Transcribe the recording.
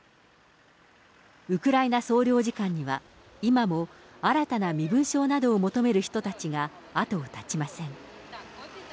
ウクライナ総領事館には、今も新たな身分証などを求める人たちが後を絶ちません。